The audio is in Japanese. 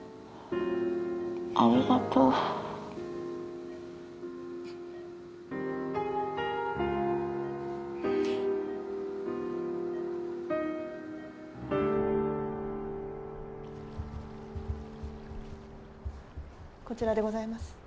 ありがとうこちらでございます・